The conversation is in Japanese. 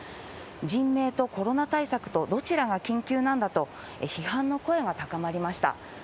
人命とコロナ対策と、どちらが緊急なんだと、批判の声が高まりました。